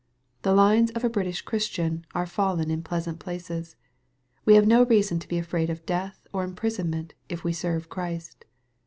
The lines of a British Christian are fallen in pleasant places. We have no reason to be afraid of death or imprisonment, if we serve Christ.